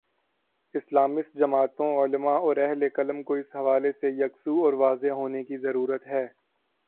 Islamist جماعتوں، علما اور اہل قلم کو اس حوالے سے یکسو اور واضح ہونے کی ضرورت ہے۔